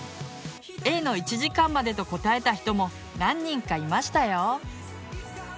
Ａの「１時間まで」と答えた人も何人かいましたよ。